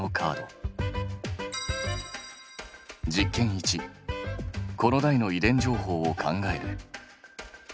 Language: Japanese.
１子の代の遺伝情報を考える。